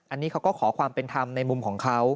อันนี้เขาก็ขอความเป็นธรรมในมุมของเขา